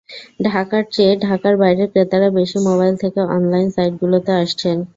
ঢাকার চেয়ে ঢাকার বাইরের ক্রেতারা বেশি মোবাইল থেকে অনলাইন সাইটগুলোতে আসছেন।